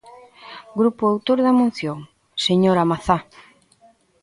Grupo autor da moción, señora Mazá.